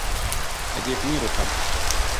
agiye kumwirukana